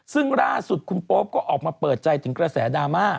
ซึ่งล่าสุดคุณโป๊ปก็ออกมาเปิดใจถึงกระแสดราม่า